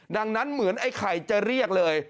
ดังนั้นเหมือนไอ้ไข่จะเรียกเลย